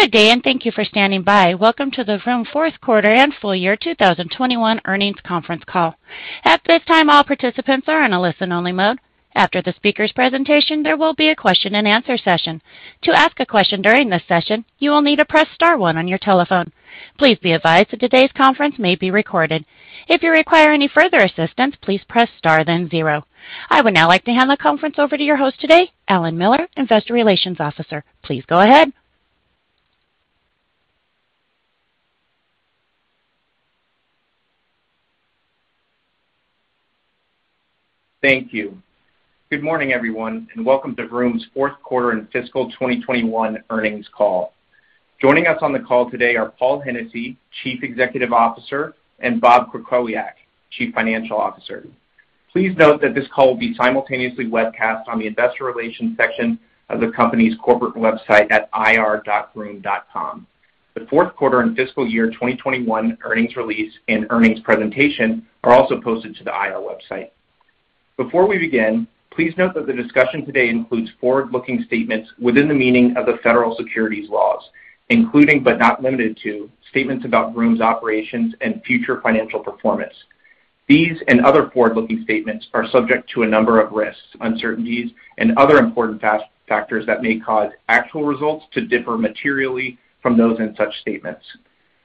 Good day, and thank you for standing by. Welcome to the Vroom Q4 and full year 2021 earnings conference call. At this time, all participants are in a listen-only mode. After the speaker's presentation, there will be a question-and-answer session. To ask a question during this session, you will need to press star one on your telephone. Please be advised that today's conference may be recorded. If you require any further assistance, please press star, then zero. I would now like to hand the conference over to your host today, Alan Miller, Investor Relations. Please go ahead. Thank you. Good morning, everyone, and welcome to Vroom's Q4 and fiscal 2021 earnings call. Joining us on the call today are Paul Hennessy, Chief Executive Officer, and Robert Krakowiak, Chief Financial Officer. Please note that this call will be simultaneously webcast on the investor relations section of the company's corporate website at ir.vroom.com. The Q4 and fiscal year 2021 earnings release and earnings presentation are also posted to the IR website. Before we begin, please note that the discussion today includes forward-looking statements within the meaning of the federal securities laws, including, but not limited to, statements about Vroom's operations and future financial performance. These and other forward-looking statements are subject to a number of risks, uncertainties, and other important factors that may cause actual results to differ materially from those in such statements.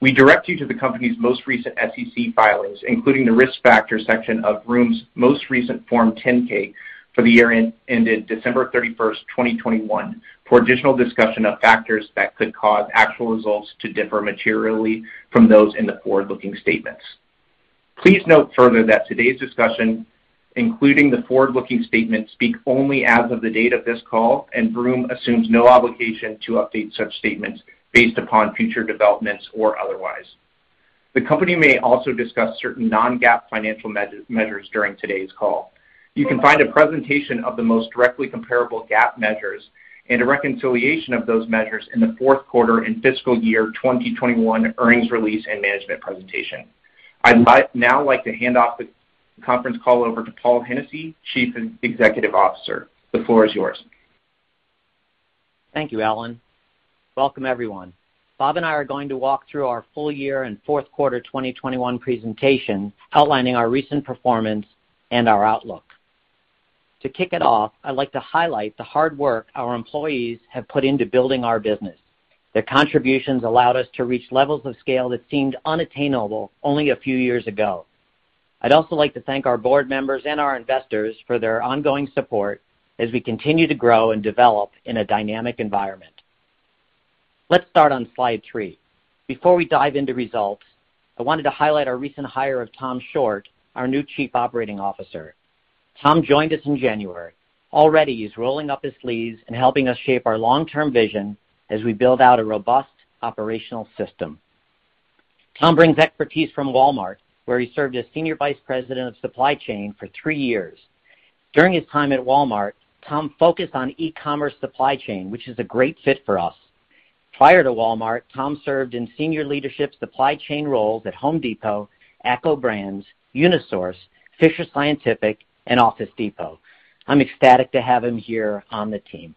We direct you to the company's most recent SEC filings, including the Risk Factors section of Vroom's most recent Form 10-K for the year ended December 31, 2021, for additional discussion of factors that could cause actual results to differ materially from those in the forward-looking statements. Please note further that today's discussion, including the forward-looking statements, speak only as of the date of this call, and Vroom assumes no obligation to update such statements based upon future developments or otherwise. The company may also discuss certain non-GAAP financial measures during today's call. You can find a presentation of the most directly comparable GAAP measures and a reconciliation of those measures in the Q4 and fiscal year 2021 earnings release and management presentation. I'd like now to hand off the conference call over to Paul Hennessy, Chief Executive Officer. The floor is yours. Thank you, Allen. Welcome, everyone. Bob and I are going to walk through our full year and Q4 2021 presentation outlining our recent performance and our outlook. To kick it off, I'd like to highlight the hard work our employees have put into building our business. Their contributions allowed us to reach levels of scale that seemed unattainable only a few years ago. I'd also like to thank our board members and our investors for their ongoing support as we continue to grow and develop in a dynamic environment. Let's start on slide 3. Before we dive into results, I wanted to highlight our recent hire of Tom Shortt, our new Chief Operating Officer. Tom joined us in January. Already, he's rolling up his sleeves and helping us shape our long-term vision as we build out a robust operational system. Tom brings expertise from Walmart, where he served as senior vice president of supply chain for three years. During his time at Walmart, Tom focused on e-commerce supply chain, which is a great fit for us. Prior to Walmart, Tom served in senior leadership supply chain roles at Home Depot, ACCO Brands, Unisource, Fisher Scientific, and Office Depot. I'm ecstatic to have him here on the team.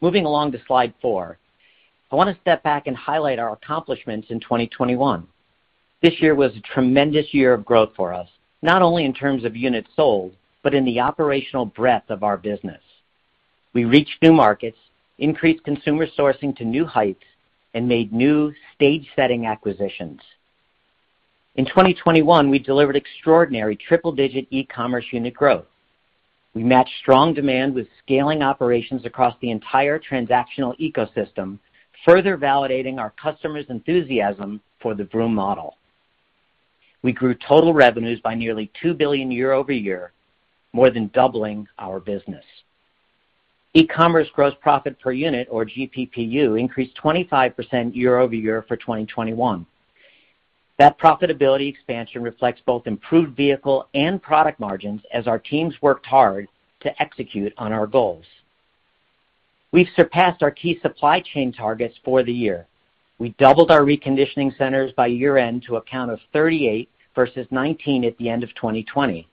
Moving along to slide 4, I want to step back and highlight our accomplishments in 2021. This year was a tremendous year of growth for us, not only in terms of units sold, but in the operational breadth of our business. We reached new markets, increased consumer sourcing to new heights, and made new stage-setting acquisitions. In 2021, we delivered extraordinary triple-digit e-commerce unit growth. We matched strong demand with scaling operations across the entire transactional ecosystem, further validating our customers' enthusiasm for the Vroom model. We grew total revenues by nearly $2 billion year over year, more than doubling our business. E-commerce gross profit per unit, or GPPU, increased 25% year over year for 2021. That profitability expansion reflects both improved vehicle and product margins as our teams worked hard to execute on our goals. We've surpassed our key supply chain targets for the year. We doubled our reconditioning centers by year-end to a count of 38 versus 19 at the end of 2020.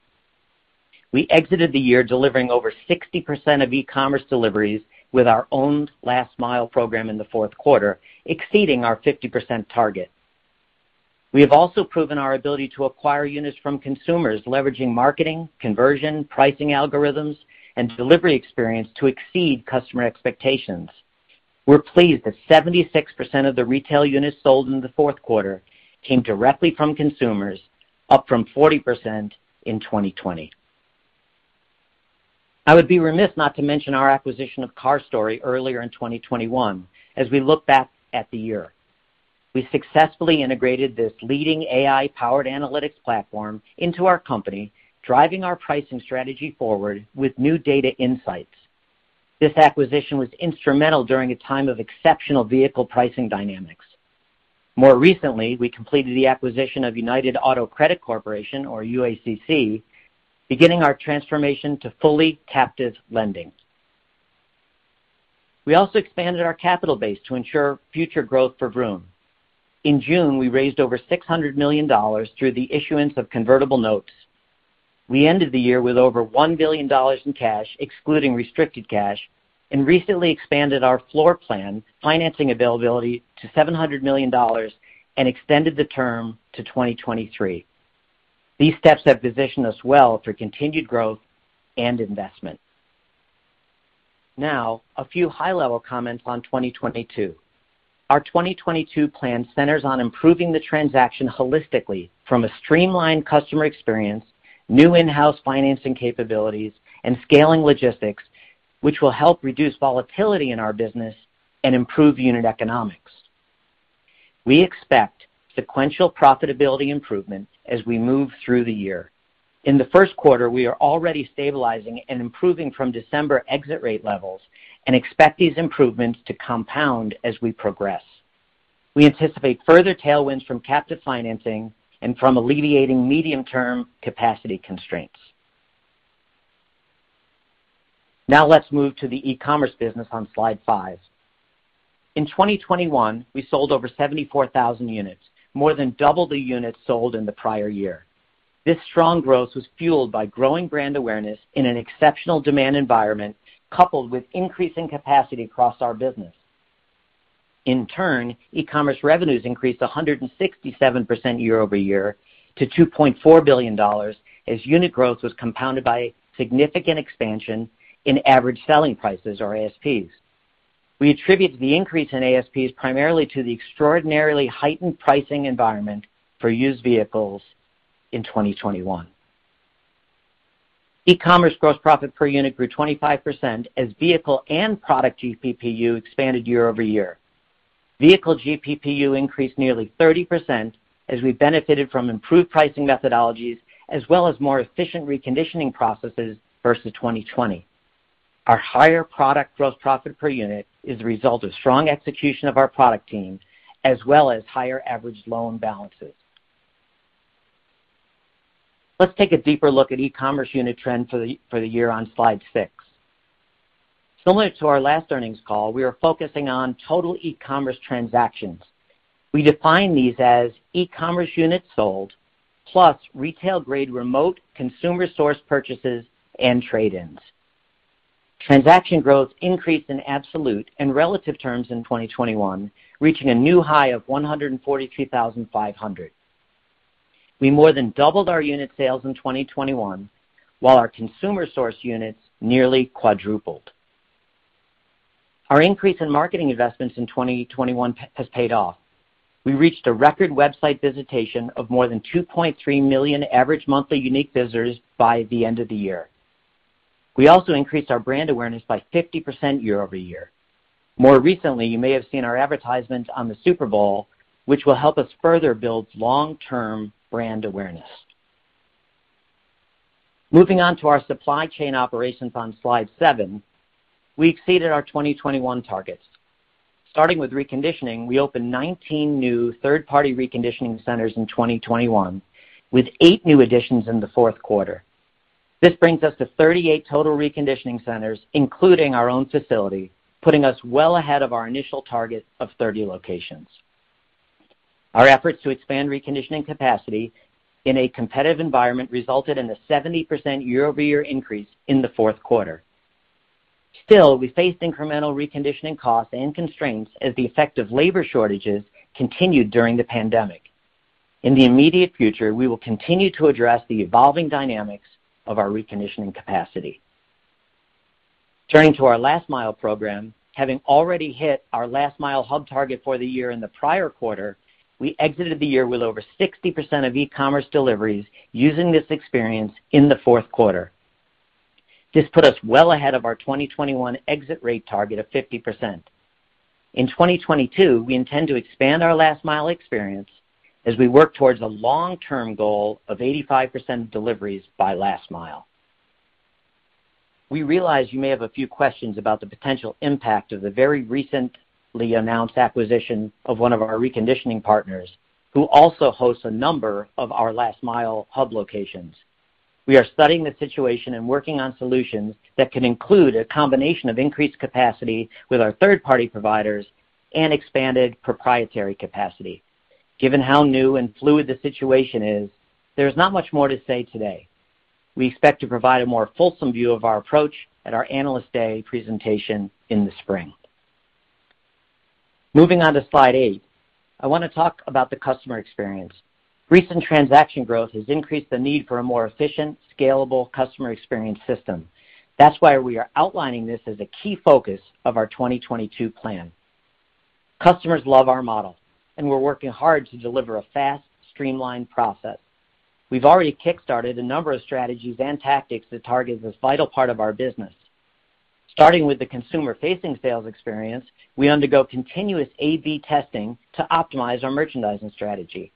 We exited the year delivering over 60% of e-commerce deliveries with our owned last-mile program in the Q4, exceeding our 50% target. We have also proven our ability to acquire units from consumers, leveraging marketing, conversion, pricing algorithms, and delivery experience to exceed customer expectations. We're pleased that 76% of the retail units sold in the Q4 came directly from consumers, up from 40% in 2020. I would be remiss not to mention our acquisition of CarStory earlier in 2021 as we look back at the year. We successfully integrated this leading AI-powered analytics platform into our company, driving our pricing strategy forward with new data insights. This acquisition was instrumental during a time of exceptional vehicle pricing dynamics. More recently, we completed the acquisition of United Auto Credit Corporation, or UACC, beginning our transformation to fully captive lending. We also expanded our capital base to ensure future growth for Vroom. In June, we raised over $600 million through the issuance of convertible notes. We ended the year with over $1 billion in cash, excluding restricted cash, and recently expanded our floor plan financing availability to $700 million and extended the term to 2023. These steps have positioned us well for continued growth and investment. Now, a few high-level comments on 2022. Our 2022 plan centers on improving the transaction holistically from a streamlined customer experience, new in-house financing capabilities, and scaling logistics, which will help reduce volatility in our business and improve unit economics. We expect sequential profitability improvement as we move through the year. In the Q1, we are already stabilizing and improving from December exit rate levels and expect these improvements to compound as we progress. We anticipate further tailwinds from captive financing and from alleviating medium-term capacity constraints. Now let's move to the e-commerce business on slide five. In 2021, we sold over 74,000 units, more than double the units sold in the prior year. This strong growth was fueled by growing brand awareness in an exceptional demand environment, coupled with increasing capacity across our business. In turn, e-commerce revenues increased 167% year-over-year to $2.4 billion, as unit growth was compounded by significant expansion in average selling prices or ASPs. We attribute the increase in ASPs primarily to the extraordinarily heightened pricing environment for used vehicles in 2021. E-commerce gross profit per unit grew 25% as vehicle and product GPPU expanded year-over-year. Vehicle GPPU increased nearly 30% as we benefited from improved pricing methodologies as well as more efficient reconditioning processes versus 2020. Our higher product gross profit per unit is the result of strong execution of our product teams as well as higher average loan balances. Let's take a deeper look at e-commerce unit trends for the year on slide six. Similar to our last earnings call, we are focusing on total e-commerce transactions. We define these as e-commerce units sold, plus retail-grade remote consumer source purchases and trade-ins. Transaction growth increased in absolute and relative terms in 2021, reaching a new high of 142,500. We more than doubled our unit sales in 2021, while our consumer source units nearly quadrupled. Our increase in marketing investments in 2021 has paid off. We reached a record website visitation of more than 2.3 million average monthly unique visitors by the end of the year. We also increased our brand awareness by 50% year-over-year. More recently, you may have seen our advertisement on the Super Bowl, which will help us further build long-term brand awareness. Moving on to our supply chain operations on slide 7, we exceeded our 2021 targets. Starting with reconditioning, we opened 19 new third-party reconditioning centers in 2021, with 8 new additions in the Q4. This brings us to 38 total reconditioning centers, including our own facility, putting us well ahead of our initial target of 30 locations. Our efforts to expand reconditioning capacity in a competitive environment resulted in a 70% year-over-year increase in the Q4. Still, we faced incremental reconditioning costs and constraints as the effect of labor shortages continued during the pandemic. In the immediate future, we will continue to address the evolving dynamics of our reconditioning capacity. Turning to our Last Mile program, having already hit our Last Mile hub target for the year in the prior quarter, we exited the year with over 60% of e-commerce deliveries using this experience in the Q4. This put us well ahead of our 2021 exit rate target of 50%. In 2022, we intend to expand our Last Mile experience as we work towards the long-term goal of 85% of deliveries by Last Mile. We realize you may have a few questions about the potential impact of the very recently announced acquisition of one of our reconditioning partners, who also hosts a number of our Last Mile hub locations. We are studying the situation and working on solutions that can include a combination of increased capacity with our third-party providers and expanded proprietary capacity. Given how new and fluid the situation is, there's not much more to say today. We expect to provide a more fulsome view of our approach at our Analyst Day presentation in the spring. Moving on to slide eight, I want to talk about the customer experience. Recent transaction growth has increased the need for a more efficient, scalable customer experience system. That's why we are outlining this as a key focus of our 2022 plan. Customers love our model, and we're working hard to deliver a fast, streamlined process. We've already kick-started a number of strategies and tactics that target this vital part of our business. Starting with the consumer-facing sales experience, we undergo continuous A/B testing to optimize our merchandising strategy.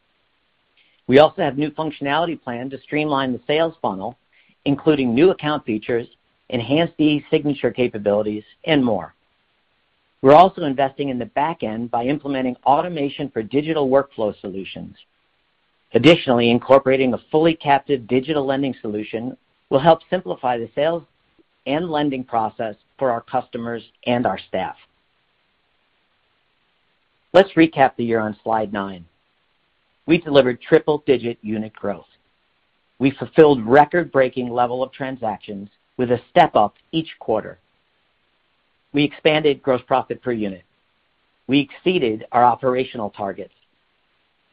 We also have new functionality planned to streamline the sales funnel, including new account features, enhanced e-signature capabilities, and more. We're also investing in the back end by implementing automation for digital workflow solutions. Additionally, incorporating a fully captive digital lending solution will help simplify the sales and lending process for our customers and our staff. Let's recap the year on Slide 9. We delivered triple-digit unit growth. We fulfilled record-breaking level of transactions with a step-up each quarter. We expanded gross profit per unit. We exceeded our operational targets.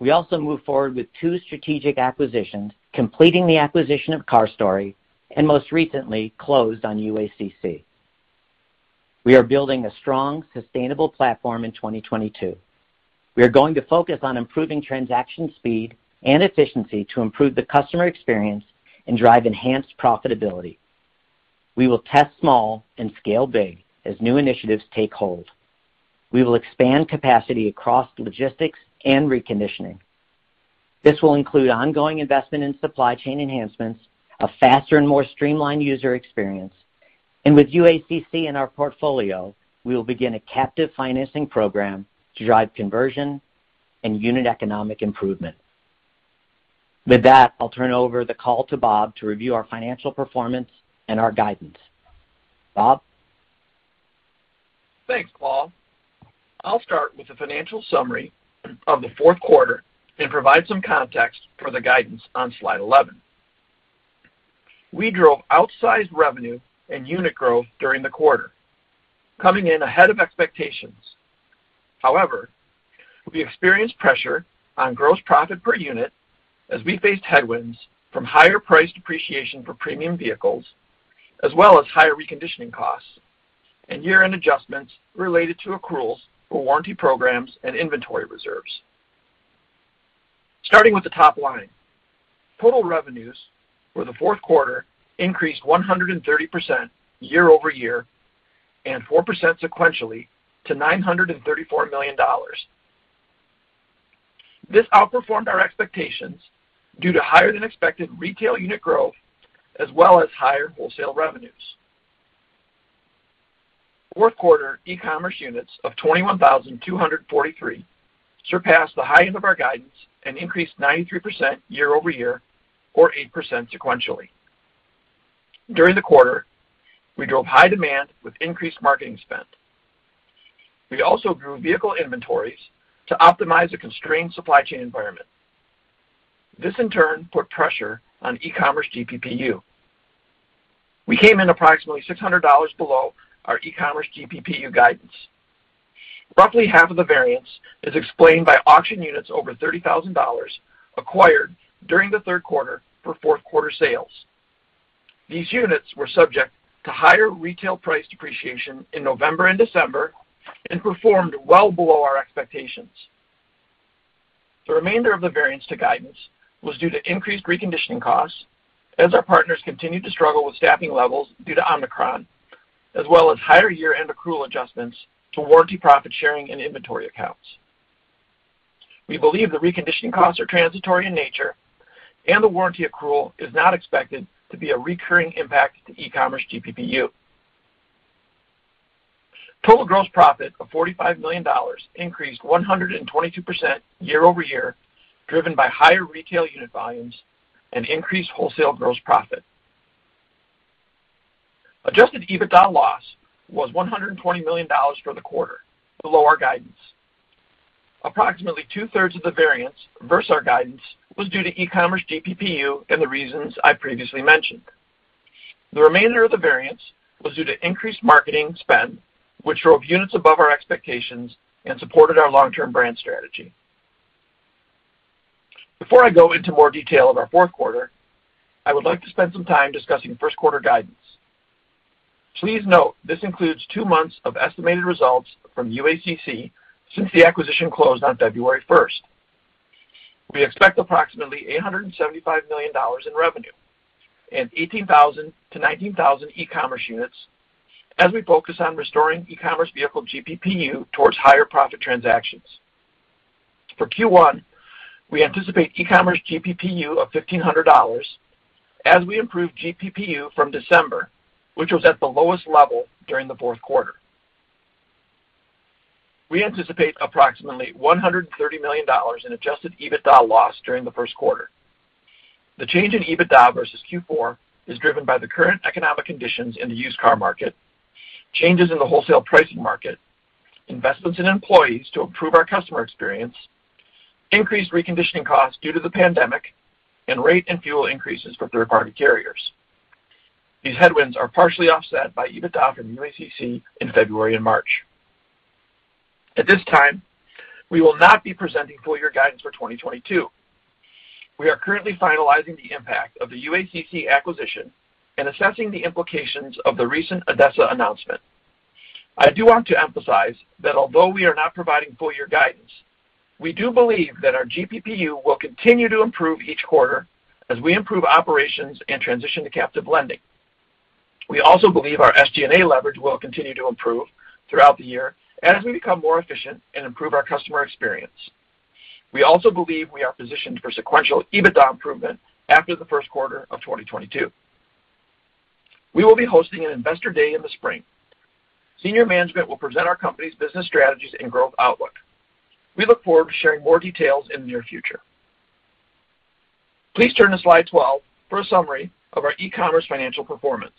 We also moved forward with 2 strategic acquisitions, completing the acquisition of CarStory and most recently closed on UACC. We are building a strong, sustainable platform in 2022. We are going to focus on improving transaction speed and efficiency to improve the customer experience and drive enhanced profitability. We will test small and scale big as new initiatives take hold. We will expand capacity across logistics and reconditioning. This will include ongoing investment in supply chain enhancements, a faster and more streamlined user experience, and with UACC in our portfolio, we will begin a captive financing program to drive conversion and unit economic improvement. With that, I'll turn over the call to Bob to review our financial performance and our guidance. Bob? Thanks, Paul. I'll start with the financial summary of the Q4 and provide some context for the guidance on slide 11. We drove outsized revenue and unit growth during the quarter, coming in ahead of expectations. However, we experienced pressure on gross profit per unit as we faced headwinds from higher price depreciation for premium vehicles, as well as higher reconditioning costs and year-end adjustments related to accruals for warranty programs and inventory reserves. Starting with the top line. Total revenues for the Q4 increased 130% year-over-year, and 4% sequentially to $934 million. This outperformed our expectations due to higher than expected retail unit growth as well as higher wholesale revenues. Q4 e-commerce units of 21,243 surpassed the high end of our guidance and increased 93% year-over-year, or 8% sequentially. During the quarter, we drove high demand with increased marketing spend. We also grew vehicle inventories to optimize a constrained supply chain environment. This in turn put pressure on e-commerce GPPU. We came in approximately $600 below our e-commerce GPPU guidance. Roughly half of the variance is explained by auction units over $30,000 acquired during the Q3 for Q4 sales. These units were subject to higher retail price depreciation in November and December and performed well below our expectations. The remainder of the variance to guidance was due to increased reconditioning costs as our partners continued to struggle with staffing levels due to Omicron, as well as higher year-end accrual adjustments to warranty profit sharing and inventory accounts. We believe the reconditioning costs are transitory in nature and the warranty accrual is not expected to be a recurring impact to e-commerce GPPU. Total gross profit of $45 million increased 122% year-over-year, driven by higher retail unit volumes and increased wholesale gross profit. Adjusted EBITDA loss was $120 million for the quarter below our guidance. Approximately two-thirds of the variance versus our guidance was due to e-commerce GPPU and the reasons I previously mentioned. The remainder of the variance was due to increased marketing spend, which drove units above our expectations and supported our long-term brand strategy. Before I go into more detail of our Q4, I would like to spend some time discussing Q1 guidance. Please note this includes two months of estimated results from UACC since the acquisition closed on February 1. We expect approximately $875 million in revenue and 18,000-19,000 e-commerce units as we focus on restoring e-commerce vehicle GPPU towards higher profit transactions. For Q1, we anticipate e-commerce GPPU of $1,500 as we improve GPPU from December, which was at the lowest level during the Q4. We anticipate approximately $130 million in adjusted EBITDA loss during the Q1. The change in EBITDA versus Q4 is driven by the current economic conditions in the used car market, changes in the wholesale pricing market, investments in employees to improve our customer experience, increased reconditioning costs due to the pandemic, and rate and fuel increases for third-party carriers. These headwinds are partially offset by EBITDA from UACC in February and March. At this time, we will not be presenting full year guidance for 2022. We are currently finalizing the impact of the UACC acquisition and assessing the implications of the recent ADESA announcement. I do want to emphasize that although we are not providing full year guidance, we do believe that our GPPU will continue to improve each quarter as we improve operations and transition to captive lending. We also believe our SG&A leverage will continue to improve throughout the year as we become more efficient and improve our customer experience. We also believe we are positioned for sequential EBITDA improvement after the Q1 of 2022. We will be hosting an investor day in the spring. Senior management will present our company's business strategies and growth outlook. We look forward to sharing more details in the near future. Please turn to slide 12 for a summary of our e-commerce financial performance.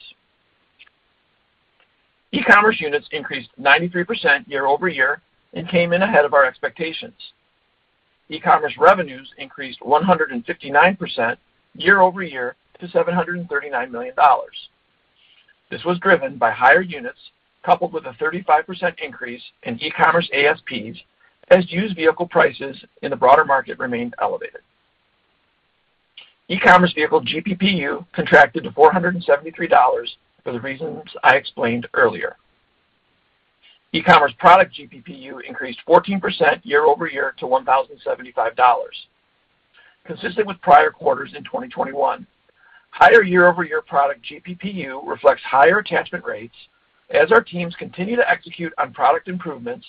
E-commerce units increased 93% year-over-year and came in ahead of our expectations. E-commerce revenues increased 159% year-over-year to $739 million. This was driven by higher units, coupled with a 35% increase in e-commerce ASPs as used vehicle prices in the broader market remained elevated. E-commerce vehicle GPPU contracted to $473 for the reasons I explained earlier. E-commerce product GPPU increased 14% year-over-year to $1,075. Consistent with prior quarters in 2021, higher year-over-year product GPPU reflects higher attachment rates as our teams continue to execute on product improvements,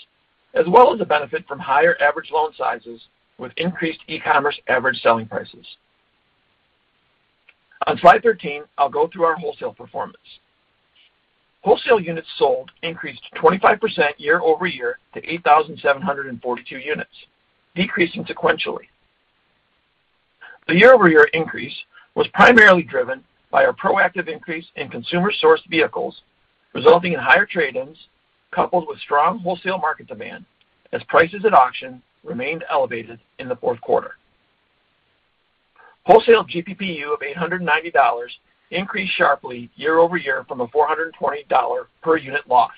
as well as the benefit from higher average loan sizes with increased e-commerce average selling prices. On slide 13, I'll go through our wholesale performance. Wholesale units sold increased 25% year-over-year to 8,742 units, decreasing sequentially. The year-over-year increase was primarily driven by our proactive increase in consumer-sourced vehicles, resulting in higher trade-ins coupled with strong wholesale market demand as prices at auction remained elevated in the Q4. Wholesale GPPU of $890 increased sharply year-over-year from a $420 per unit loss.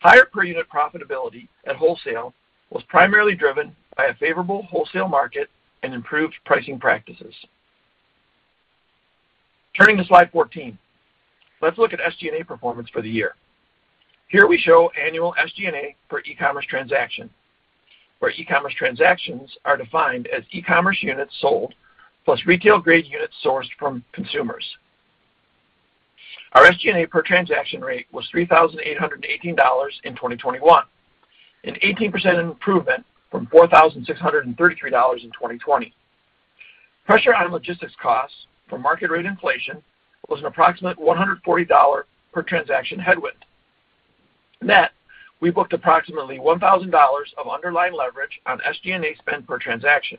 Higher per unit profitability at wholesale was primarily driven by a favorable wholesale market and improved pricing practices. Turning to slide 14, let's look at SG&A performance for the year. Here we show annual SG&A per e-commerce transaction, where e-commerce transactions are defined as e-commerce units sold plus retail grade units sourced from consumers. Our SG&A per transaction rate was $3,818 in 2021, an 18% improvement from $4,633 in 2020. Pressure on logistics costs from market rate inflation was an approximate $140 per transaction headwind. Net, we booked approximately $1,000 of underlying leverage on SG&A spend per transaction.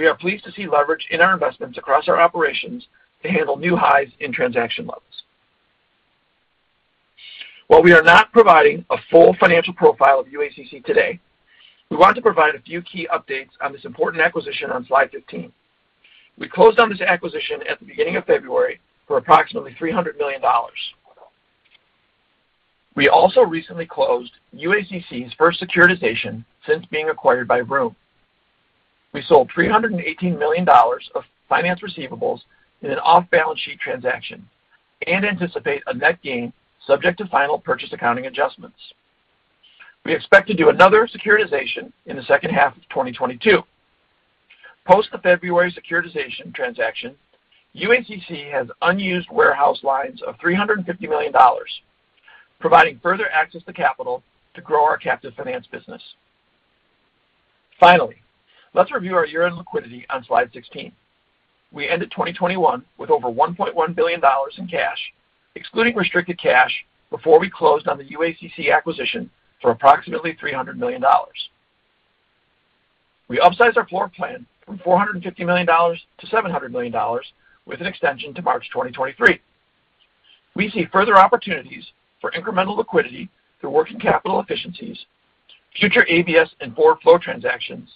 We are pleased to see leverage in our investments across our operations to handle new highs in transaction levels. While we are not providing a full financial profile of UACC today, we want to provide a few key updates on this important acquisition on slide 15. We closed on this acquisition at the beginning of February for approximately $300 million. We also recently closed UACC's first securitization since being acquired by Vroom. We sold $318 million of finance receivables in an off-balance sheet transaction and anticipate a net gain subject to final purchase accounting adjustments. We expect to do another securitization in the H2 of 2022. Post the February securitization transaction, UACC has unused warehouse lines of $350 million, providing further access to capital to grow our captive finance business. Finally, let's review our year-end liquidity on slide 16. We ended 2021 with over $1.1 billion in cash, excluding restricted cash before we closed on the UACC acquisition for approximately $300 million. We upsized our floor plan from $450 million to $700 million with an extension to March 2023. We see further opportunities for incremental liquidity through working capital efficiencies, future ABS and floor plan transactions,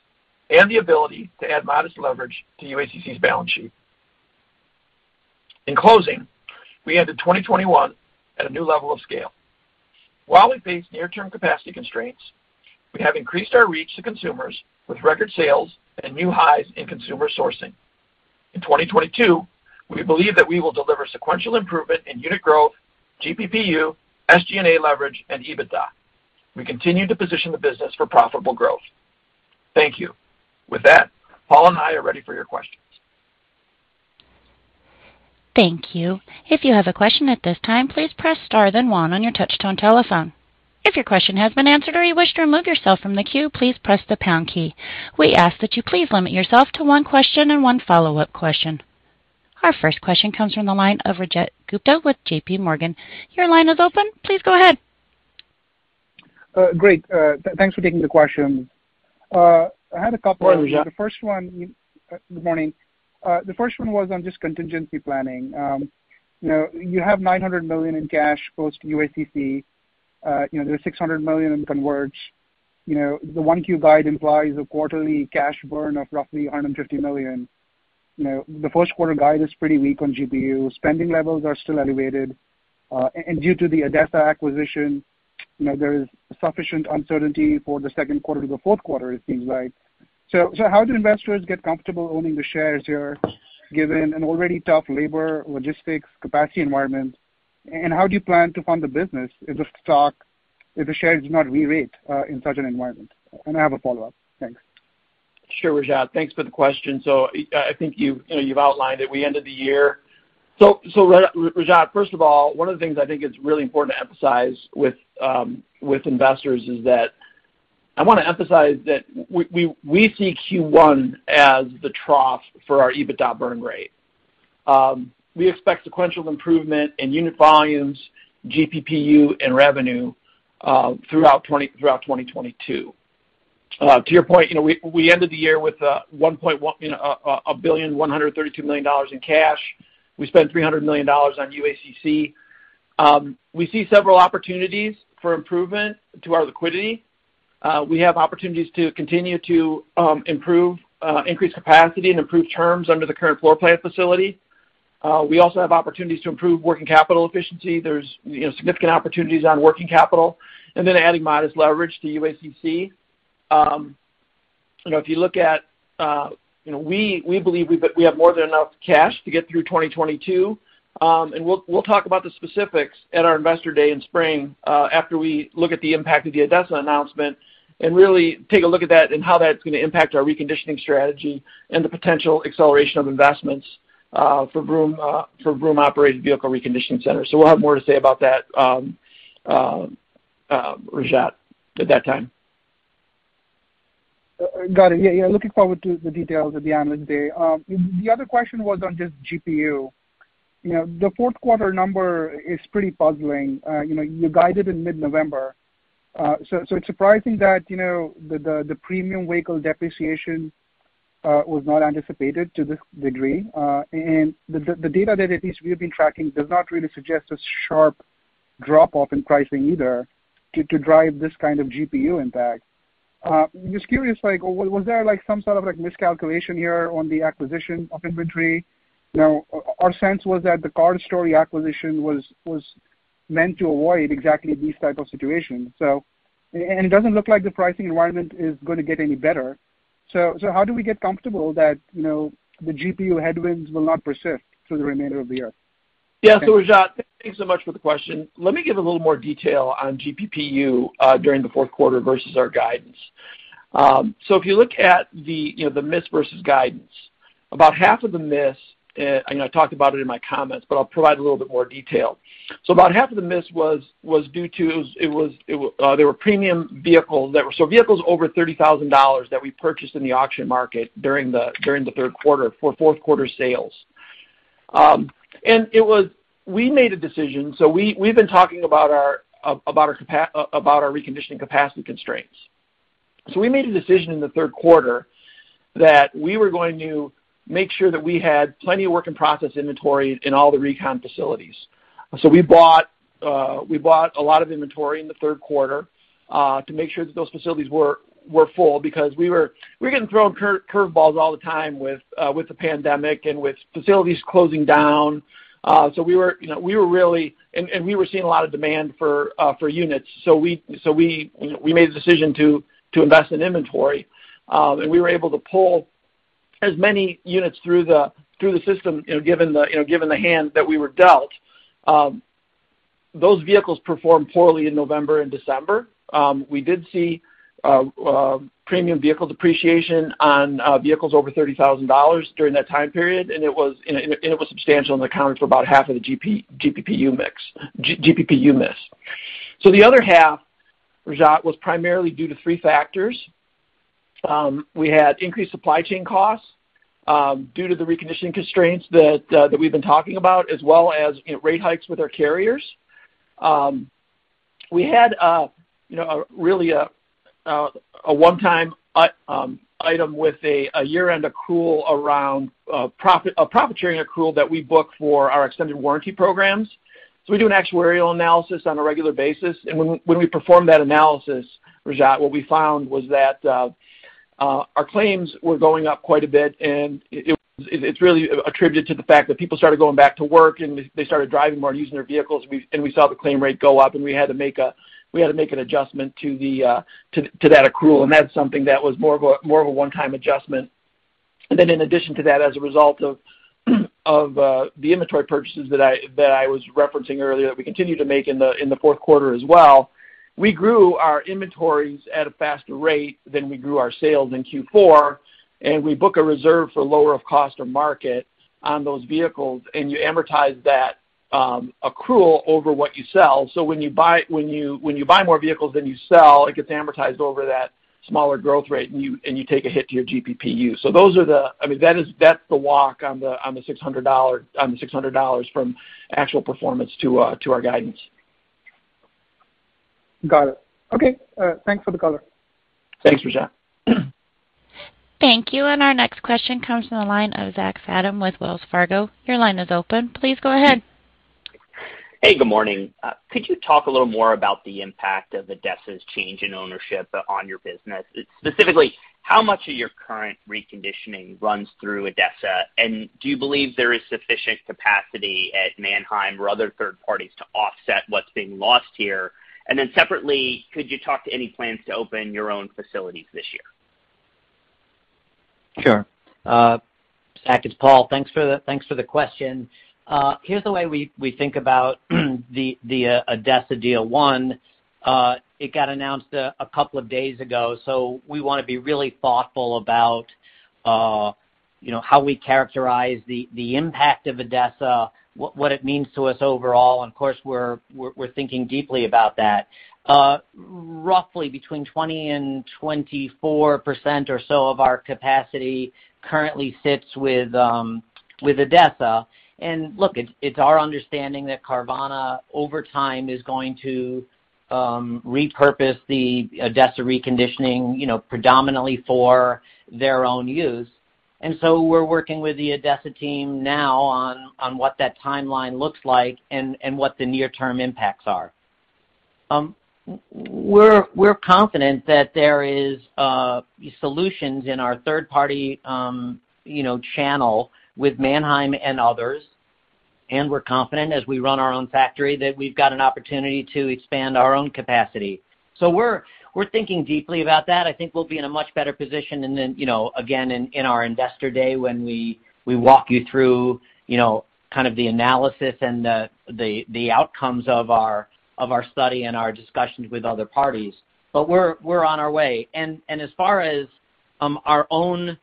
and the ability to add modest leverage to UACC's balance sheet. In closing, we ended 2021 at a new level of scale. While we face near-term capacity constraints, we have increased our reach to consumers with record sales and new highs in consumer sourcing. In 2022, we believe that we will deliver sequential improvement in unit growth, GPPU, SG&A leverage, and EBITDA. We continue to position the business for profitable growth. Thank you. With that, Paul and I are ready for your questions. Thank you. If you have a question at this time, please press star then one on your touch tone telephone. If your question has been answered or you wish to remove yourself from the queue, please press the pound key. We ask that you please limit yourself to one question and one follow-up question. Our first question comes from the line of Rajat Gupta with JP Morgan. Your line is open. Please go ahead. Great. Thanks for taking the question. I had a couple- Morning, Rajat. Good morning. The first one was on just contingency planning. you have $900 million in cash post UACC. there's $600 million in converts. the 1Q guide implies a quarterly cash burn of roughly $150 million. the Q1 guide is pretty weak on GPU. Spending levels are still elevated. And due to the ADESA acquisition there is sufficient uncertainty for the Q2 to the Q4, it seems like. So how do investors get comfortable owning the shares here, given an already tough labor logistics capacity environment? And how do you plan to fund the business if the share does not re-rate in such an environment? And I have a follow-up. Thanks. Sure, Rajat. Thanks for the question. I think you've outlined it. We ended the year. Rajat, first of all, one of the things I think it's really important to emphasize with investors is that I wanna emphasize that we see Q1 as the trough for our EBITDA burn rate. We expect sequential improvement in unit volumes, GPPU, and revenue throughout 2022. To your point, we ended the year with $1.132 billion in cash. We spent $300 million on UACC. We see several opportunities for improvement to our liquidity. We have opportunities to continue to improve, increase capacity and improve terms under the current floor plan facility. We also have opportunities to improve working capital efficiency. There's significant opportunities on working capital, adding modest leverage to UACC. if you look at we believe we have more than enough cash to get through 2022. We'll talk about the specifics at our Investor Day in spring, after we look at the impact of the ADESA announcement and really take a look at that and how that's gonna impact our reconditioning strategy and the potential acceleration of investments, for Vroom-operated vehicle reconditioning centers. We'll have more to say about that, Rajat, at that time. Got it. Yeah, yeah, looking forward to the details at the Analyst Day. The other question was on just GPU. the Q4 number is pretty puzzling. you guided in mid-November. So it's surprising that the premium vehicle depreciation was not anticipated to this degree. And the data that at least we have been tracking does not really suggest a sharp drop-off in pricing either to drive this kind of GPU impact. Just curious, like was there some sort of miscalculation here on the acquisition of inventory? our sense was that the CarStory acquisition was meant to avoid exactly these type of situations. It doesn't look like the pricing environment is gonna get any better. how do we get comfortable that the GPU headwinds will not persist through the remainder of the year? Yeah, Rajat, thanks so much for the question. Let me give a little more detail on GPPU during the Q4 versus our guidance. If you look at the miss versus guidance, about half of the miss and I talked about it in my comments, but I'll provide a little bit more detail. About half of the miss was due to there were premium vehicles over $30,000 that we purchased in the auction market during the Q3 for Q4 sales. We made a decision. We've been talking about our reconditioning capacity constraints. We made a decision in the Q3 that we were going to make sure that we had plenty of work in process inventory in all the recon facilities. We bought a lot of inventory in the Q3 to make sure that those facilities were full because we were getting thrown curve balls all the time with the pandemic and with facilities closing down. we were really. We were seeing a lot of demand for units. We made the decision to invest in inventory. We were able to pull as many units through the system given the hand that we were dealt. Those vehicles performed poorly in November and December. We did see premium vehicle depreciation on vehicles over $30,000 during that time period, and it was substantial and accounted for about half of the GPPU mix, GPPU miss. The other half, Rajat, was primarily due to three factors. We had increased supply chain costs due to the reconditioning constraints that we've been talking about, as well as rate hikes with our carriers. We had a really one-time item with a year-end accrual around profit sharing accrual that we book for our extended warranty programs. We do an actuarial analysis on a regular basis. When we perform that analysis, Rajat, what we found was that our claims were going up quite a bit, and it was really attributed to the fact that people started going back to work and they started driving more and using their vehicles. We saw the claim rate go up, and we had to make an adjustment to that accrual, and that's something that was more of a one-time adjustment. In addition to that, as a result of the inventory purchases that I was referencing earlier that we continued to make in the Q4 as well, we grew our inventories at a faster rate than we grew our sales in Q4, and we book a reserve for lower of cost or market on those vehicles, and you amortize that accrual over what you sell. When you buy more vehicles than you sell, it gets amortized over that smaller growth rate, and you take a hit to your GPPU. I mean, that is, that's the walk on the $600 from actual performance to our guidance. Got it. Okay. Thanks for the color. Thanks, Rajat. Thank you. Our next question comes from the line of Zachary Fadem with Wells Fargo. Your line is open. Please go ahead. Hey, good morning. Could you talk a little more about the impact of ADESA's change in ownership on your business? Specifically, how much of your current reconditioning runs through ADESA, and do you believe there is sufficient capacity at Manheim or other third parties to offset what's being lost here? Separately, could you talk to any plans to open your own facilities this year? Sure. Zach, it's Paul. Thanks for the question. Here's the way we think about the ADESA deal one. It got announced a couple of days ago, so we wanna be really thoughtful about how we characterize the impact of ADESA, what it means to us overall, and of course, we're thinking deeply about that. Roughly between 20% and 24% or so of our capacity currently sits with. With ADESA. Look, it's our understanding that Carvana over time is going to repurpose the ADESA reconditioning predominantly for their own use. We're working with the ADESA team now on what that timeline looks like and what the near-term impacts are. We're confident that there is solutions in our third party, channel with Manheim and others. We're confident as we run our own factory that we've got an opportunity to expand our own capacity. We're thinking deeply about that. I think we'll be in a much better position than again, in our Investor Day when we walk you through kind of the analysis and the outcomes of our study and our discussions with other parties. We're on our way. As far as our own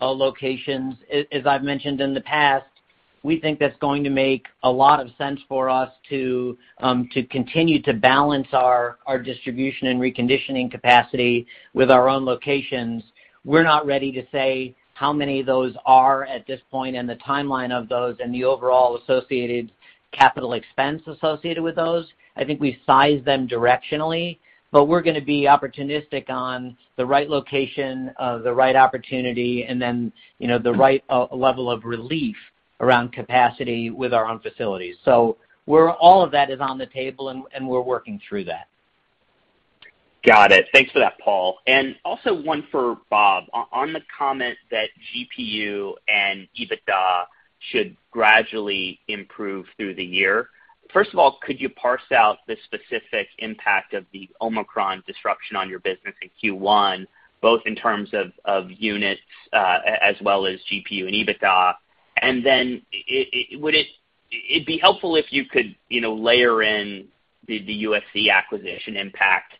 locations, as I've mentioned in the past, we think that's going to make a lot of sense for us to continue to balance our distribution and reconditioning capacity with our own locations. We're not ready to say how many of those are at this point and the timeline of those and the overall associated capital expense associated with those. I think we size them directionally, but we're gonna be opportunistic on the right location, the right opportunity, and then the right level of relief around capacity with our own facilities. All of that is on the table, and we're working through that. Got it. Thanks for that, Paul. Also one for Bob. On the comment that GPU and EBITDA should gradually improve through the year, first of all, could you parse out the specific impact of the Omicron disruption on your business in Q1, both in terms of units, as well as GPU and EBITDA? It'd be helpful if you could layer in the UACC acquisition impact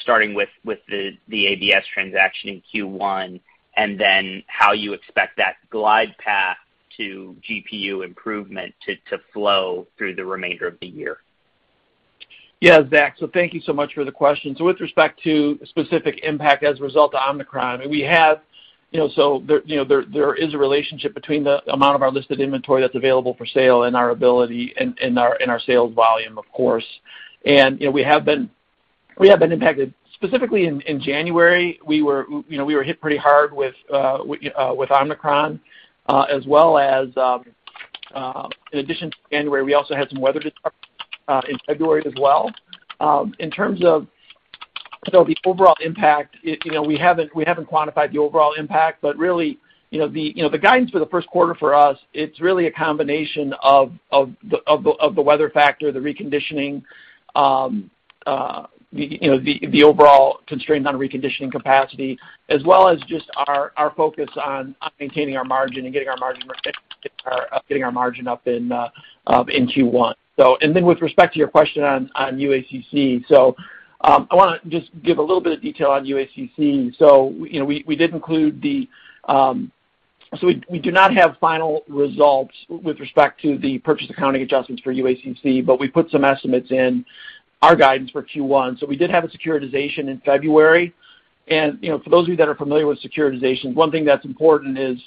starting with the ABS transaction in Q1, and then how you expect that glide path to GPU improvement to flow through the remainder of the year. Yeah, Zach, thank you so much for the question. With respect to specific impact as a result of Omicron there is a relationship between the amount of our listed inventory that's available for sale and our ability and our sales volume, of course. we have been impacted. Specifically in January, we were we were hit pretty hard with Omicron, as well as in addition to January, we also had some weather disruptions in February as well. In terms of the overall impact we haven't quantified the overall impact. Really the guidance for the Q1 for us. It's really a combination of the weather factor, the reconditioning the overall constraints on reconditioning capacity, as well as just our focus on maintaining our margin and getting our margin protected, getting our margin up in Q1. Then with respect to your question on UACC, I wanna just give a little bit of detail on UACC. we did include the. We do not have final results with respect to the purchase accounting adjustments for UACC, but we put some estimates in our guidance for Q1. We did have a securitization in February. for those of you that are familiar with securitizations, one thing that's important is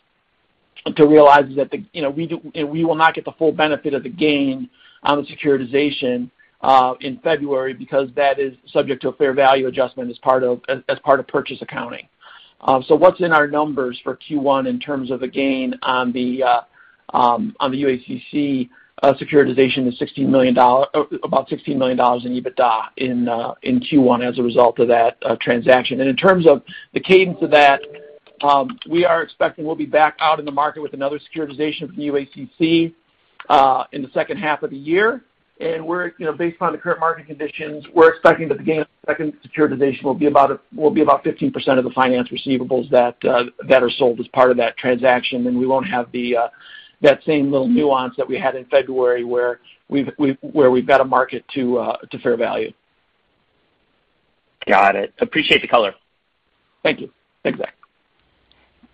to realize that we do, and we will not get the full benefit of the gain on the securitization in February because that is subject to a fair value adjustment as part of purchase accounting. So what's in our numbers for Q1 in terms of the gain on the UACC securitization is about $16 million in EBITDA in Q1 as a result of that transaction. In terms of the cadence of that, we are expecting we'll be back out in the market with another securitization from UACC in the H2 of the year. We're, based on the current market conditions, we're expecting that the gain on the second securitization will be about 15% of the finance receivables that are sold as part of that transaction, and we won't have that same little nuance that we had in February where we've got to mark to fair value. Got it. Appreciate the color. Thank you. Thanks, Zach.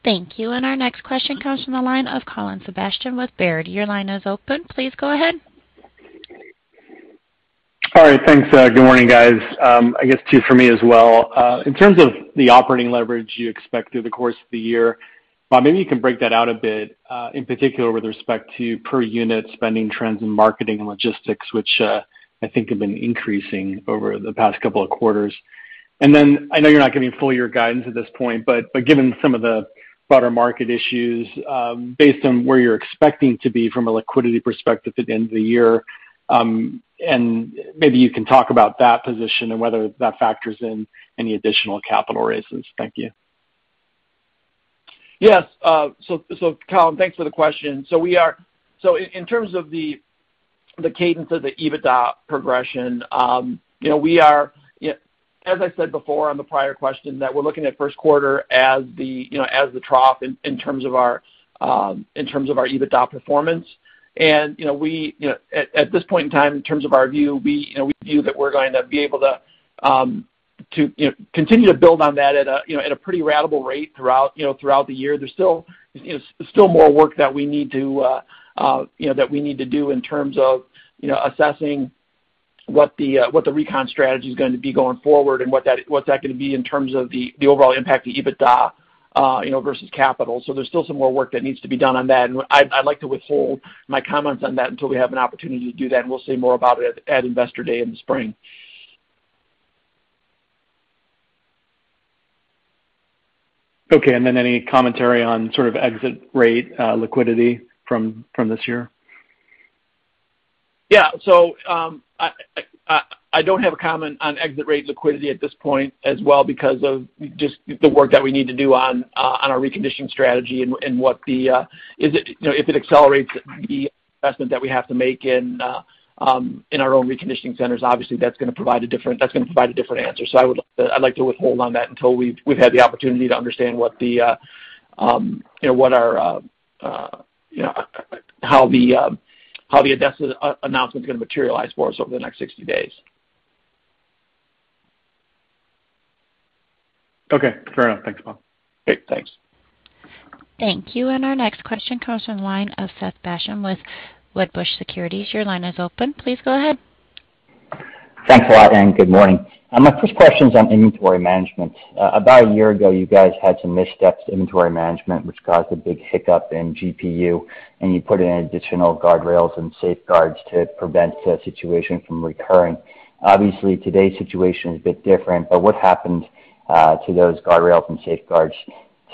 Thank you. Our next question comes from the line of Colin Sebastian with Baird. Your line is open. Please go ahead. All right, thanks. Good morning, guys. I guess two for me as well. In terms of the operating leverage you expect through the course of the year, Bob, maybe you can break that out a bit, in particular with respect to per unit spending trends in marketing and logistics, which, I think have been increasing over the past couple of quarters. Then I know you're not giving full year guidance at this point, but given some of the broader market issues, based on where you're expecting to be from a liquidity perspective at the end of the year, and maybe you can talk about that position and whether that factors in any additional capital raises. Thank you. Yes, Colin, thanks for the question. In terms of the cadence of the EBITDA progression as I said before on the prior question, we're looking at Q1 as the trough in terms of our EBITDA performance. at this point in time, in terms of our view, we view that we're going to be able to continue to build on that at a pretty ratable rate throughout the year. There's still more work that we need to do in terms of assessing what the recon strategy is going to be going forward, and what's that gonna be in terms of the overall impact to EBITDA versus capital. There's still some more work that needs to be done on that. I'd like to withhold my comments on that until we have an opportunity to do that, and we'll say more about it at investor day in the spring. Okay. Then any commentary on sort of exit rate, liquidity from this year? Yeah. I don't have a comment on exit rate liquidity at this point as well because of just the work that we need to do on our reconditioning strategy and if it accelerates the investment that we have to make in our own reconditioning centers, obviously that's gonna provide a different answer. I would like to withhold on that until we've had the opportunity to understand how the ADESA announcement's gonna materialize for us over the next 60 days. Okay, fair enough. Thanks, Bob. Great. Thanks. Thank you. Our next question comes from the line of Seth Basham with Wedbush Securities. Your line is open. Please go ahead. Thanks a lot, and good morning. My first question is on inventory management. About a year ago, you guys had some missteps to inventory management, which caused a big hiccup in GPU, and you put in additional guardrails and safeguards to prevent the situation from recurring. Obviously, today's situation is a bit different, but what happened to those guardrails and safeguards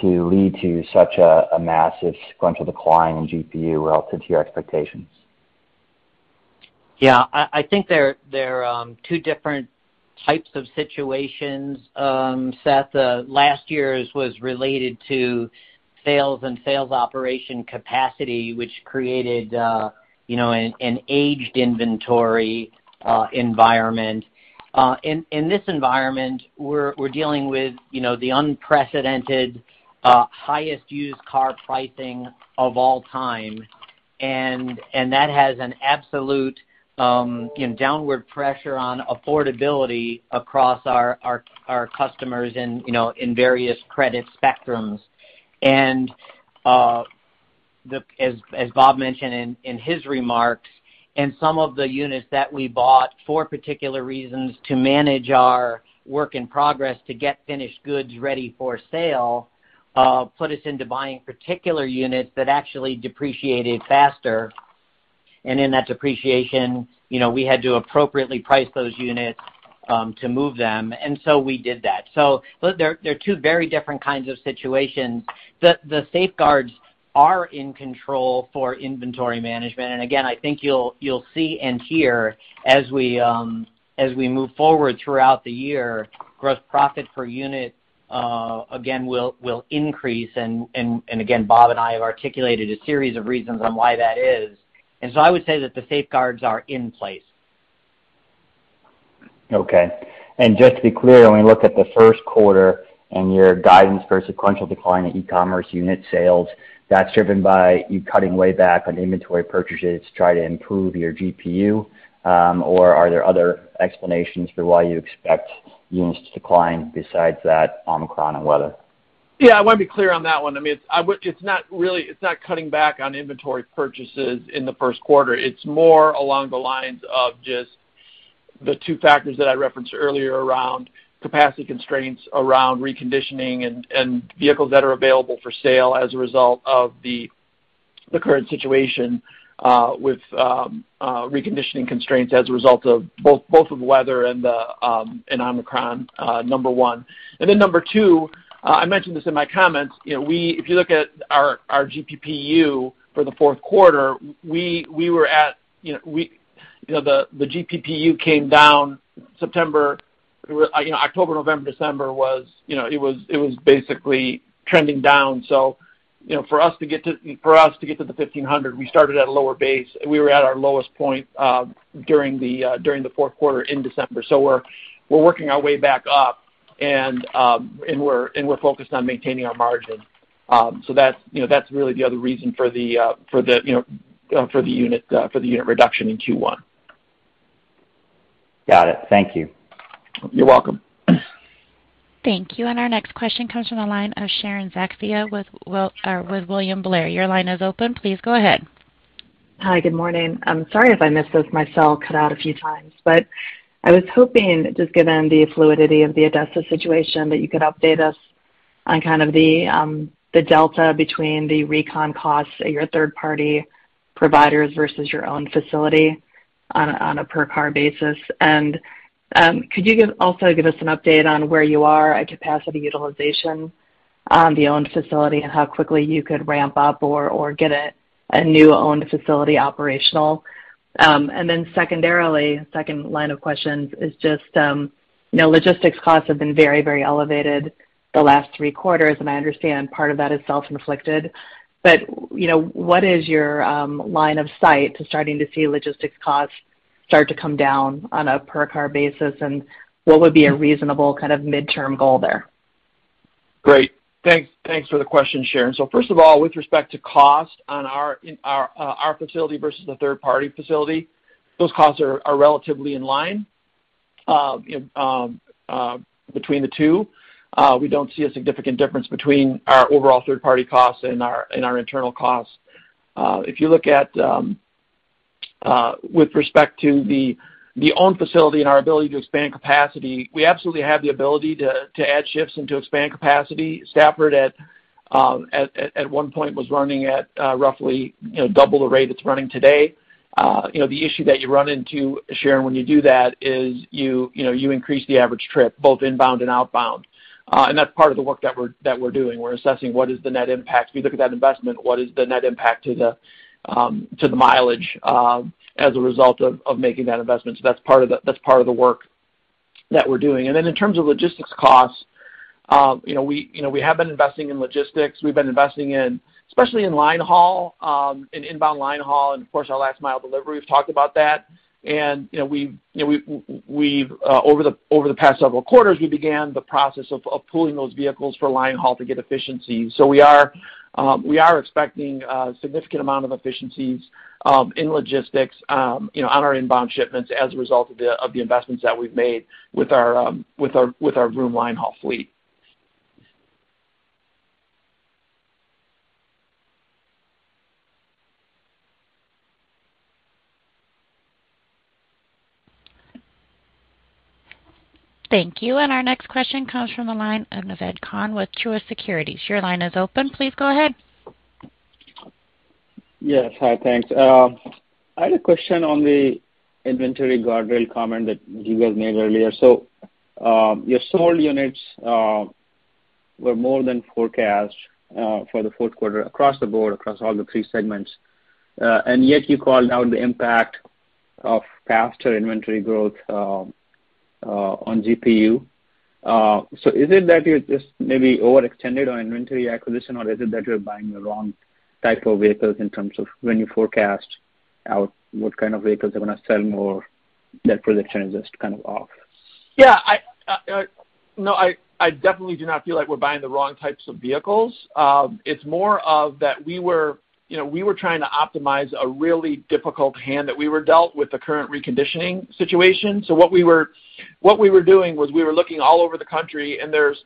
to lead to such a massive sequential decline in GPU relative to your expectations? Yeah, I think there are two different types of situations, Seth. The last year's was related to sales and operation capacity, which created, an aged inventory environment. In this environment, we're dealing with the unprecedented highest used car pricing of all time. That has an absolute downward pressure on affordability across our customers and, in various credit spectrums. As Bob mentioned in his remarks, some of the units that we bought for particular reasons to manage our work in progress to get finished goods ready for sale put us into buying particular units that actually depreciated faster. In that depreciation, we had to appropriately price those units to move them. We did that. There are two very different kinds of situations. The safeguards are in control for inventory management. Again, I think you'll see and hear as we move forward throughout the year, gross profit per unit, again, will increase. Again, Bob and I have articulated a series of reasons on why that is. I would say that the safeguards are in place. Okay. Just to be clear, when we look at the Q1 and your guidance for a sequential decline in e-commerce unit sales, that's driven by you cutting way back on inventory purchases to try to improve your GPU, or are there other explanations for why you expect units to decline besides that Omicron and weather? Yeah, I want to be clear on that one. I mean, it's not really, it's not cutting back on inventory purchases in the Q1. It's more along the lines of just the two factors that I referenced earlier around capacity constraints, around reconditioning and vehicles that are available for sale as a result of the current situation with reconditioning constraints as a result of both of the weather and Omicron, number one. Number two, I mentioned this in my comments. If you look at our GPPU for the Q4, we were at the GPPU came down September. We were October, November, December was it was basically trending down. for us to get to the 1,500, we started at a lower base. We were at our lowest point during the Q3 in December. We're working our way back up, and we're focused on maintaining our margin. that's really the other reason for the unit reduction in Q1. Got it. Thank you. You're welcome. Thank you. Our next question comes from the line of Sharon Zackfia with William Blair. Your line is open. Please go ahead. Hi. Good morning. I'm sorry if I missed this. My cell cut out a few times. I was hoping, just given the fluidity of the ADESA situation, that you could update us on kind of the delta between the recon costs at your third-party providers versus your own facility on a per car basis. Could you also give us an update on where you are at capacity utilization on the owned facility and how quickly you could ramp up or get a new owned facility operational? Second line of questions is just logistics costs have been very elevated the last Q3, and I understand part of that is self-inflicted. what is your line of sight to starting to see logistics costs start to come down on a per car basis, and what would be a reasonable kind of midterm goal there? Great. Thanks for the question, Sharon. First of all, with respect to cost on our facility versus the third-party facility, those costs are relatively in line. between the two, we don't see a significant difference between our overall third-party costs and our internal costs. If you look at, with respect to the owned facility and our ability to expand capacity, we absolutely have the ability to add shifts and to expand capacity. Stafford at one point was running at roughly double the rate it's running today. the issue that you run into, Sharon, when you do that is you increase the average trip, both inbound and outbound. That's part of the work that we're doing. We're assessing what is the net impact. We look at that investment, what is the net impact to the mileage as a result of making that investment. That's part of the work that we're doing. In terms of logistics costs we have been investing in logistics. We've been investing in, especially in line haul, in inbound line haul, and of course, our last mile delivery. We've talked about that. over the past several quarters, we began the process of pooling those vehicles for line haul to get efficiencies. We are expecting a significant amount of efficiencies in logistics on our inbound shipments as a result of the investments that we've made with our Vroom line haul fleet. Thank you. Our next question comes from the line of Naved Khan with Truist Securities. Your line is open. Please go ahead. Yes. Hi. Thanks. I had a question on the inventory guardrail comment that you guys made earlier. Your sold units were more than forecast for the across the board, across all the three segments. Yet you called out the impact of faster inventory growth on GPU. Is it that you're just maybe overextended on inventory acquisition, or is it that you're buying the wrong type of vehicles in terms of when you forecast out what kind of vehicles are gonna sell more, that projection is just kind of off? Yeah. No, I definitely do not feel like we're buying the wrong types of vehicles. It's more of that we were we were trying to optimize a really difficult hand that we were dealt with the current reconditioning situation. What we were doing was we were looking all over the country, and there's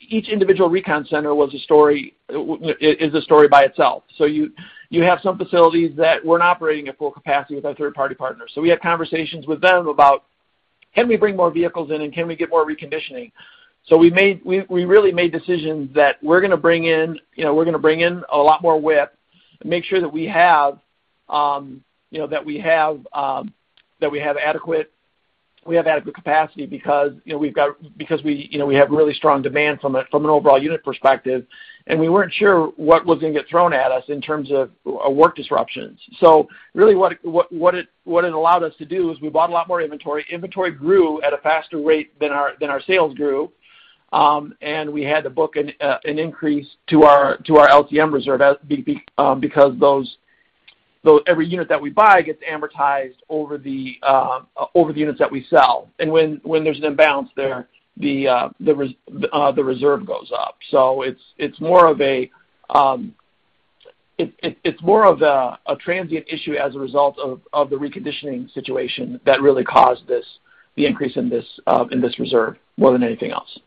each individual recon center was a story, is a story by itself. You have some facilities that weren't operating at full capacity with our third-party partners. We had conversations with them about can we bring more vehicles in, and can we get more reconditioning? We really made decisions that we're gonna bring in a lot more width and make sure that we have adequate capacity because we have really strong demand from an overall unit perspective, and we weren't sure what was gonna get thrown at us in terms of work disruptions. Really what it allowed us to do is we bought a lot more inventory. Inventory grew at a faster rate than our sales grew, and we had to book an increase to our LTM reserve because every unit that we buy gets amortized over the units that we sell. When there's an imbalance there, the reserve goes up. It's more of a transient issue as a result of the reconditioning situation that really caused this increase in this reserve more than anything else.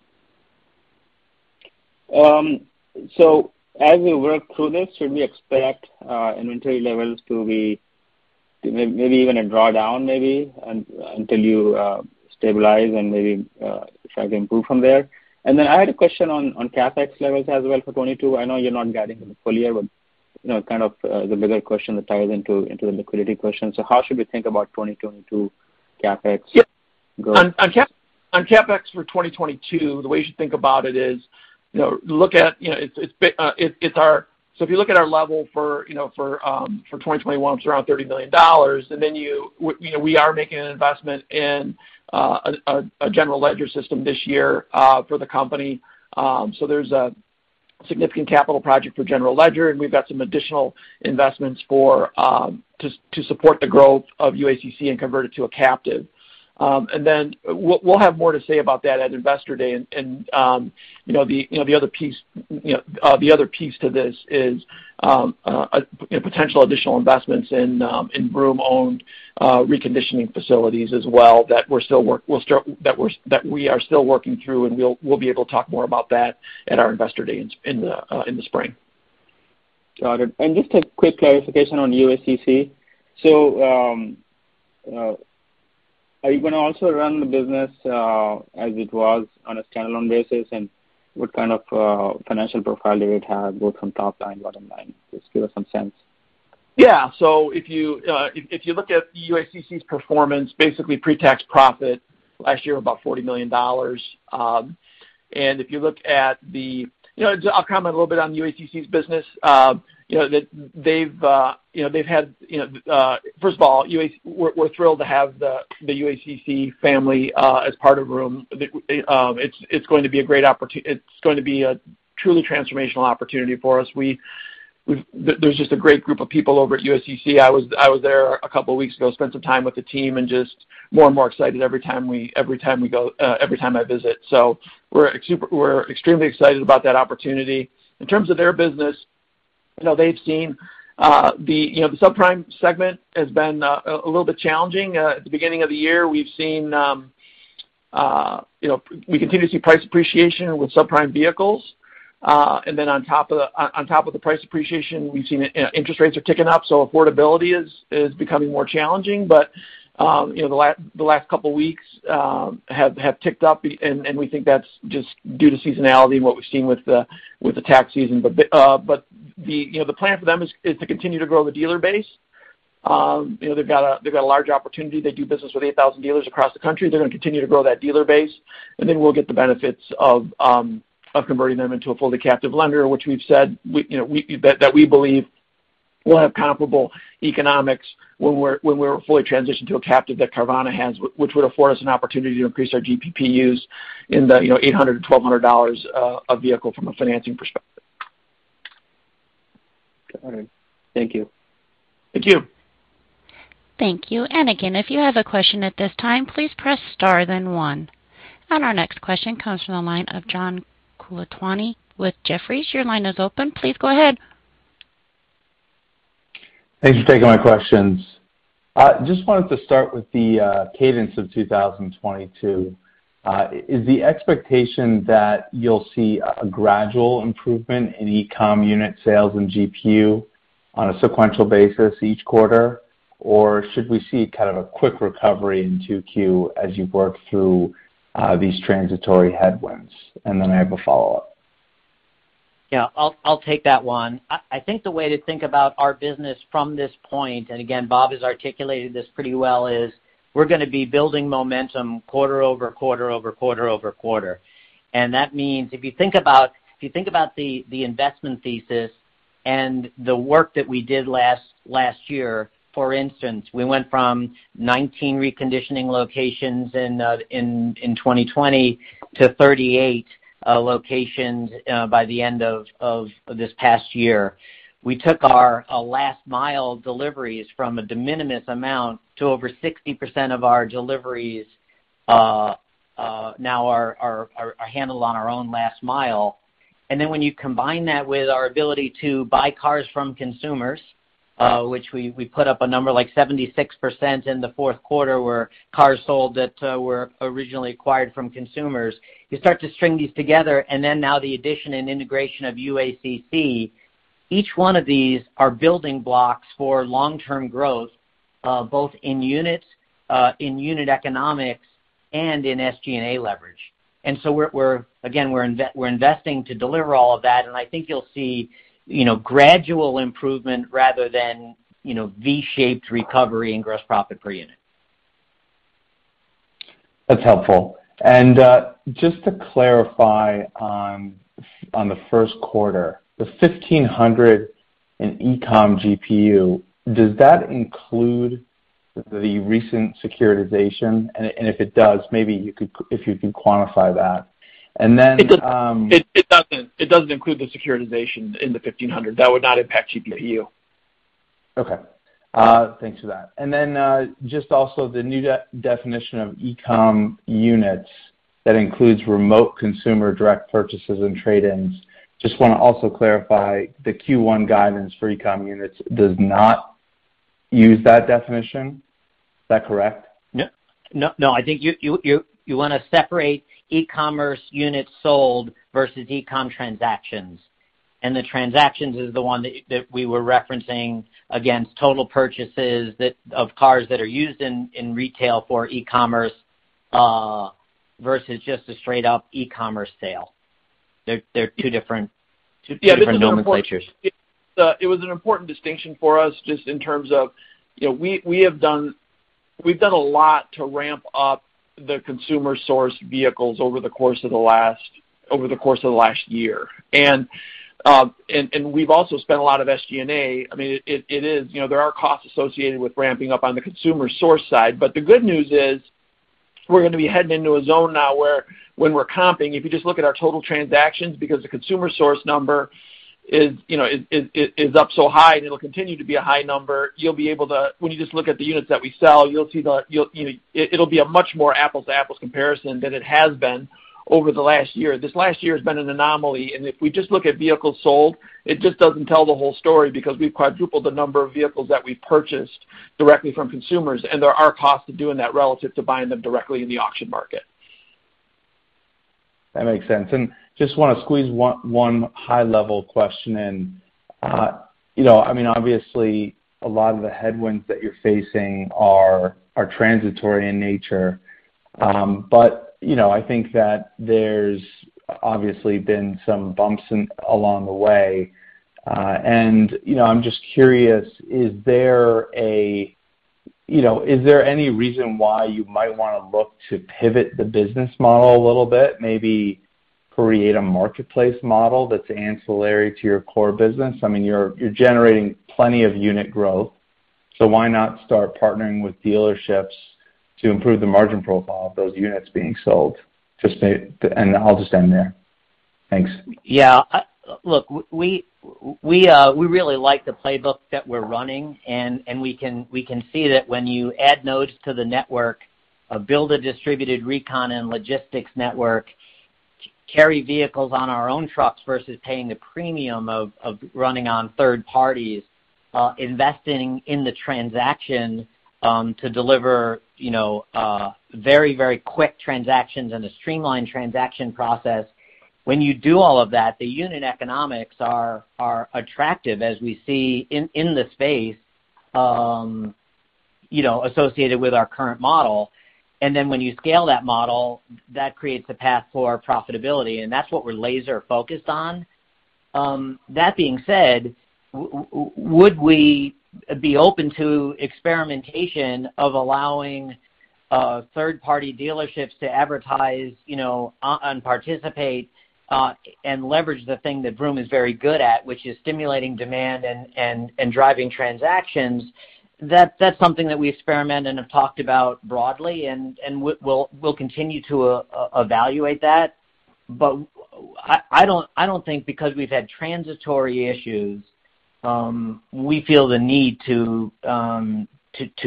As we work through this, should we expect inventory levels to be maybe even a drawdown maybe until you stabilize and maybe try to improve from there? Then I had a question on CapEx levels as well for 2022. I know you're not guiding in the full year, but kind of the bigger question that ties into the liquidity question. How should we think about 2022 CapEx growth? Yep. On CapEx for 2022, the way you should think about it is look at our level for 2021, it's around $30 million. We are making an investment in a general ledger system this year for the company. So there's a significant capital project for general ledger, and we've got some additional investments to support the growth of UACC and convert it to a captive. We'll have more to say about that at Investor Day. the other piece to this is potential additional investments in Vroom-owned reconditioning facilities as well that we are still working through, and we'll be able to talk more about that at our Investor Day in the spring. Got it. Just a quick clarification on UACC. Are you gonna also run the business, as it was on a standalone basis, and what kind of financial profile do it have, both from top line, bottom line? Just give us some sense. Yeah. If you look at UACC's performance, basically pre-tax profit last year about $40 million. If you look I'll comment a little bit on UACC's business. First of all, we're thrilled to have the UACC family as part of Vroom. It's going to be a truly transformational opportunity for us. There's just a great group of people over at UACC. I was there a couple weeks ago, spent some time with the team and just more and more excited every time I visit. We're extremely excited about that opportunity. In terms of their business. they've seen the subprime segment has been a little bit challenging. At the beginning of the year, we've seen we continue to see price appreciation with subprime vehicles. And then on top of the price appreciation, we've seen interest rates are ticking up, so affordability is becoming more challenging. The last couple weeks have ticked up, and we think that's just due to seasonality and what we've seen with the tax season. The plan for them is to continue to grow the dealer base. they've got a large opportunity. They do business with 8,000 dealers across the country. They're gonna continue to grow that dealer base, and then we'll get the benefits of converting them into a fully captive lender, which we've said that we believe will have comparable economics when we're fully transitioned to a captive that Carvana has, which would afford us an opportunity to increase our GPUs in the $800-$1,200 a vehicle from a financing perspective. Got it. Thank you. Thank you. Thank you. Again, if you have a question at this time, please press star then one. Our next question comes from the line of John Colantuoni with Jefferies. Your line is open. Please go ahead. Thanks for taking my questions. Just wanted to start with the cadence of 2022. Is the expectation that you'll see a gradual improvement in e-com unit sales and GPU on a sequential basis each quarter? Or should we see kind of a quick recovery in 2Q as you work through these transitory headwinds? Then I have a follow-up. Yeah. I'll take that one. I think the way to think about our business from this point, and again, Bob has articulated this pretty well, is we're gonna be building momentum quarter-over-quarter. That means if you think about the investment thesis and the work that we did last year, for instance, we went from 19 reconditioning locations in 2020 to 38 locations by the end of this past year. We took our last mile deliveries from a de minimis amount to over 60% of our deliveries now are handled on our own last mile. When you combine that with our ability to buy cars from consumers, which we put up a number like 76% in the Q4 were cars sold that were originally acquired from consumers. You start to string these together, and then now the addition and integration of UACC, each one of these are building blocks for long-term growth, both in units, in unit economics and in SG&A leverage. We're investing to deliver all of that, and I think you'll see gradual improvement rather than V-shaped recovery in gross profit per unit. That's helpful. Just to clarify on the Q1, the 1,500 in e-com GPU, does that include the recent securitization? If it does, maybe you could quantify that. Then, It doesn't include the securitization in the 1,500. That would not impact GPU. Okay. Thanks for that. Just also the new definition of e-com units that includes remote consumer direct purchases and trade-ins. Just wanna also clarify the Q1 guidance for e-com units does not use that definition. Is that correct? No. I think you wanna separate e-commerce units sold versus e-com transactions. The transactions is the one that we were referencing against total purchases of cars that are used in retail for e-commerce versus just a straight up e-commerce sale. They're two different nomenclatures. It was an important distinction for us just in terms of we have done a lot to ramp up the consumer source vehicles over the course of the last year. We've also spent a lot of SG&A. I mean, it is. there are costs associated with ramping up on the consumer source side. The good news is we're gonna be heading into a zone now where when we're comping, if you just look at our total transactions, because the consumer source number is up so high and it'll continue to be a high number, you'll be able to. When you just look at the units that we sell, you'll see the. It'll be a much more apples-to-apples comparison than it has been over the last year. This last year has been an anomaly, and if we just look at vehicles sold, it just doesn't tell the whole story because we've quadrupled the number of vehicles that we purchased directly from consumers, and there are costs to doing that relative to buying them directly in the auction market. That makes sense. Just wanna squeeze one high level question in. I mean, obviously a lot of the headwinds that you're facing are transitory in nature. But I think that there's obviously been some bumps along the way. I'm just curious, is there any reason why you might wanna look to pivot the business model a little bit, maybe create a marketplace model that's ancillary to your core business? I mean, you're generating plenty of unit growth, so why not start partnering with dealerships to improve the margin profile of those units being sold? I'll just end there. Thanks. Yeah. Look, we really like the playbook that we're running, and we can see that when you add nodes to the network, build a distributed recon and logistics network, carry vehicles on our own trucks versus paying the premium of running on third parties, investing in the transaction to deliver very, very quick transactions and a streamlined transaction process. When you do all of that, the unit economics are attractive as we see in the space associated with our current model. Then when you scale that model, that creates a path for profitability, and that's what we're laser-focused on. That being said, would we be open to experimentation of allowing third-party dealerships to advertise or participate and leverage the thing that Vroom is very good at, which is stimulating demand and driving transactions? That's something that we experiment and have talked about broadly, and we'll continue to evaluate that. I don't think because we've had transitory issues we feel the need to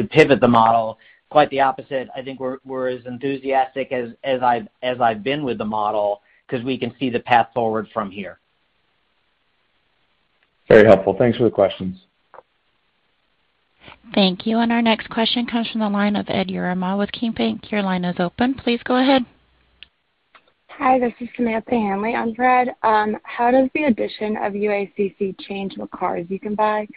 pivot the model. Quite the opposite. I think we're as enthusiastic as I've been with the model because we can see the path forward from here. Very helpful. Thanks for the questions. Thank you. Our next question comes from the line of Edward Yruma with KeyBank. Your line is open. Please go ahead. Hi, this is Samantha Zola. I'm glad. How does the addition of UACC change what cars you can buy?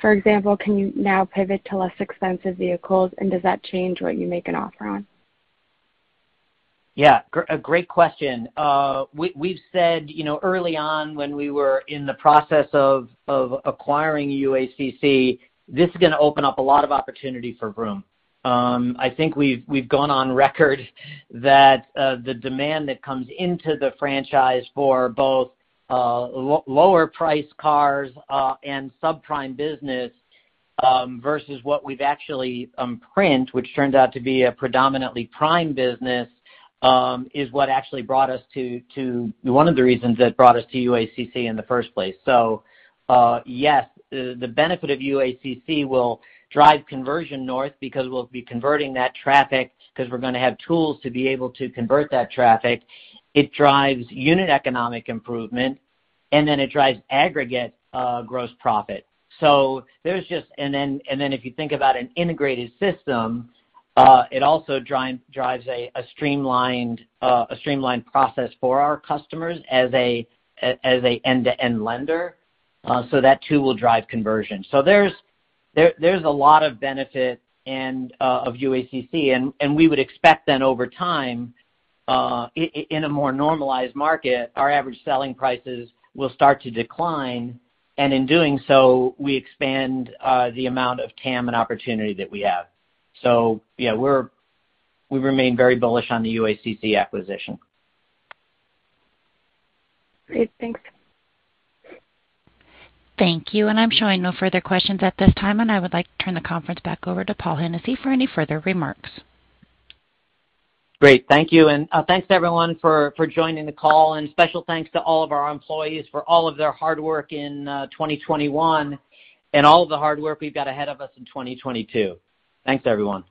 For example, can you now pivot to less expensive vehicles? Does that change what you make an offer on? Yeah, great question. We've said early on when we were in the process of acquiring UACC, this is gonna open up a lot of opportunity for Vroom. I think we've gone on record that the demand that comes into the franchise for both lower priced cars and subprime business versus what we've actually purchased, which turned out to be a predominantly prime business, is one of the reasons that brought us to UACC in the first place. Yes, the benefit of UACC will drive conversion north because we'll be converting that traffic because we're gonna have tools to be able to convert that traffic. It drives unit economic improvement, and then it drives aggregate gross profit. If you think about an integrated system, it also drives a streamlined process for our customers as a end-to-end lender, so that too will drive conversion. There's a lot of benefit of UACC, and we would expect then over time, in a more normalized market, our average selling prices will start to decline, and in doing so, we expand the amount of TAM and opportunity that we have. Yeah, we remain very bullish on the UACC acquisition. Great. Thanks. Thank you. I'm showing no further questions at this time, and I would like to turn the conference back over to Paul Hennessy for any further remarks. Great. Thank you. Thanks everyone for joining the call. Special thanks to all of our employees for all of their hard work in 2021 and all of the hard work we've got ahead of us in 2022. Thanks, everyone.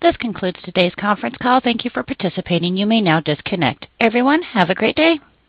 This concludes today's conference call. Thank you for participating. You may now disconnect. Everyone, have a great day.